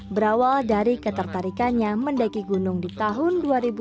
berawal dari ketertarikannya mendaki gunung di tahun seribu sembilan ratus sepuluh